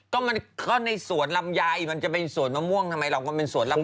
ก็มันก็ในสวนลำไยมันจะเป็นสวนมะม่วงทำไมเราก็เป็นสวนลำ